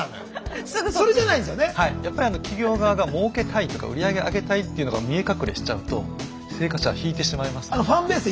やっぱり企業側が儲けたいとか売上を上げたいっていうのが見え隠れしちゃうと生活者は引いてしまいますので。